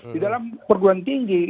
di dalam perguruan tinggi